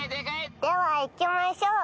では行きましょう。